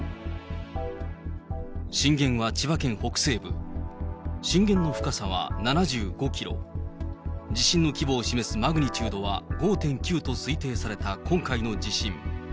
震源は千葉県北西部、震源の深さは７５キロ、地震の規模を示すマグニチュードは５．９と推定された今回の地震。